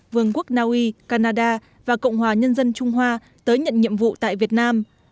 vương quốc nga uy canada và cộng hòa nhân dân trung hoa tới nhận nhiệm vụ tại việt nam